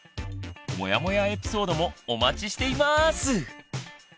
モヤモヤエピソードもお待ちしています！